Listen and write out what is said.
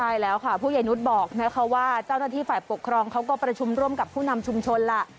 ใช่แล้วค่ะผู้ใหญ่นุษย์บอกนะคะว่าเจ้าหน้าที่ฝ่ายปกครองเขาก็ประชุมร่วมกับผู้นำชุมชนล่ะ